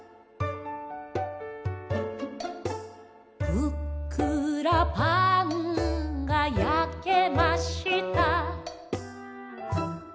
「ふっくらパンが焼けました」